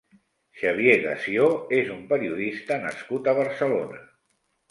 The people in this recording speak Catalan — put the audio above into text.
Xavier Gassió és un periodista nascut a Barcelona.